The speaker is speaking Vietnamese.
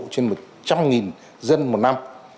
trên một trăm linh dân một năm